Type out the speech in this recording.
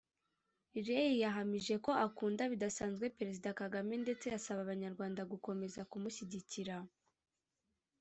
Ray yahamije ko akunda bidasanzwe Perezida Kagame ndetse asaba Abanyarwanda gukomeza kumushyigikira